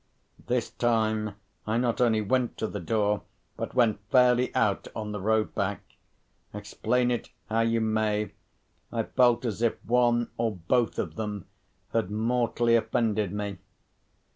This time, I not only went to the door, but went fairly out on the road back. Explain it how you may, I felt as if one or both of them had mortally offended me.